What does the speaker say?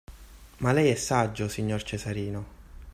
Ma lei è saggio, signor Cesarino!